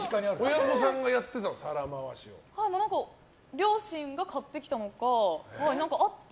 両親が買ってきたのか何かあって。